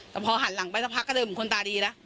แต่พอหันหลังไปสักพักก็เดินเหมือนคนตาดีแล้ว